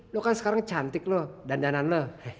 lo kan sekarang cantik lo dandanan lo